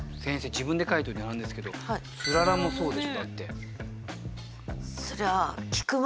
自分で書いといてなんですけど「つらら」もそうでしょだって。